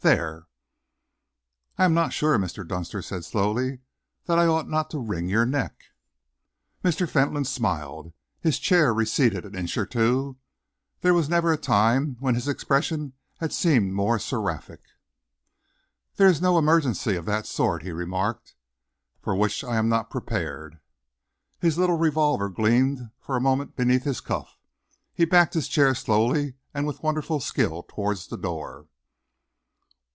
There!" "I am not sure," Mr. Dunster said slowly, "that I ought not to wring your neck." Mr. Fentolin smiled. His chair receded an inch or two. There was never a time when his expression had seemed more seraphic. "There is no emergency of that sort," he remarked, "for which I am not prepared." His little revolver gleamed for a minute beneath his cuff. He backed his chair slowly and with wonderful skill towards the door.